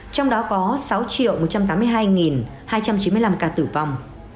trong đó có sáu một trăm tám mươi hai hai trăm chín mươi năm ca tử vong